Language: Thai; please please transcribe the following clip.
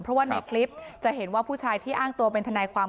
เพราะว่าในคลิปจะเห็นว่าผู้ชายที่อ้างตัวเป็นทนายความ